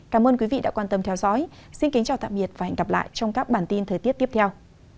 cảm ơn quý vị đã quan tâm theo dõi xin kính chào tạm biệt và hẹn gặp lại trong các bản tin thời tiết tiếp theo